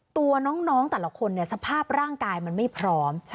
ตัวน้องแต่ละคนสภาพร่างกายมันไม่พร้อม